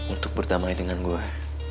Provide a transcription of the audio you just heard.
untuk berdamai dengan gue